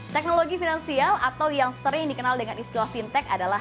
teknologi finansial atau yang sering dikenal dengan istilah fintech adalah